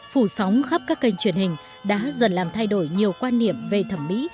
phủ sóng khắp các kênh truyền hình đã dần làm thay đổi nhiều quan niệm về thẩm mỹ